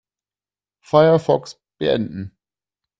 Firefox beenden.